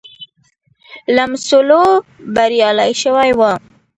لمسولو بریالی شوی وو.